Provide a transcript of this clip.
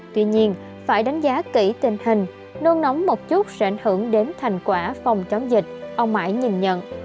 tuy nhiên phải đánh giá kỹ tình hình nôn nóng một chút sẽ ảnh hưởng đến thành quả phòng chống dịch ông mãi nhìn nhận